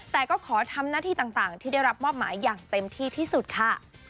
แต่ก็ขอทำหน้าที่ต่างที่ได้รับมอบหมายอย่างเต็มที่ที่สุดค่ะ